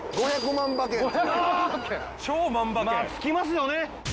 まあつきますよね。